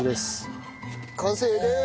完成です！